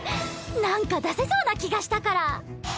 なんか出せそうな気がしたから。